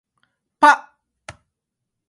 "Sh-Boom" was parodied by Stan Freberg.